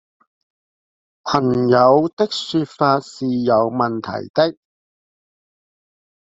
朋友的說法是有問題的